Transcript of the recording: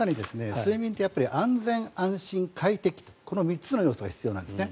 睡眠って安全、安心、快適とこの３つの要素が必要なんですね。